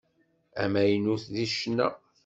Amaynut deg ccna.